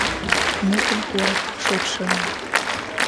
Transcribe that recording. Мутым пуат шочшылан...